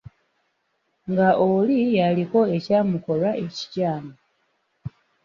Nga oli yaliko ekyamukolwa ekikyamu